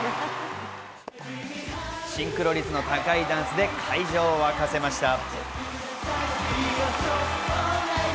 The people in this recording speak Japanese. シンクロ率の高いダンスで会場を沸かせました。